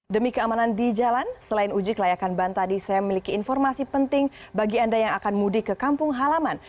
demi keamanan di jalan selain uji kelayakan ban tadi saya memiliki informasi penting bagi anda yang akan mudik ke kampung halaman